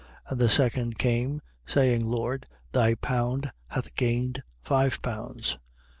19:18. And the second came, saying: Lord, thy pound hath gained five pounds.